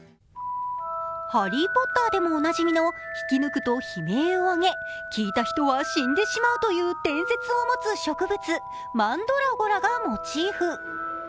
「ハリー・ポッター」でもおなじみの引き抜くと悲鳴を上げ、聞いた人は死んでしまうという伝説を持つ植物、マンドラゴラがモチーフ。